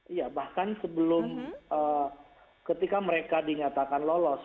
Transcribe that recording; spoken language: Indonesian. iya bahkan sebelum ketika mereka dinyatakan lolos